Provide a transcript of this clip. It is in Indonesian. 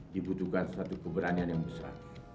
di butuhkan satu keberanian yang besar